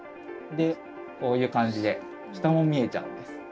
でこういう感じで下も見えちゃうんです。